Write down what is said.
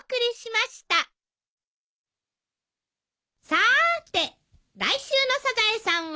さーて来週の『サザエさん』は？